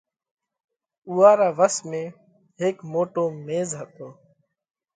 اُوئا را وس ۾ هيڪ موٽو ميز هتو